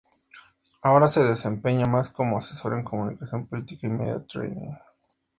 Ahora se desempeña más como asesor en comunicación política y media training.